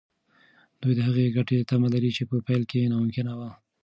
دوی د هغې ګټې تمه لرله چې په پیل کې ناممکنه وه.